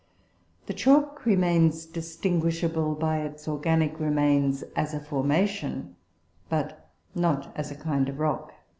The chalk remains distinguishable by its organic remains as a formation, but not as a kind of rock."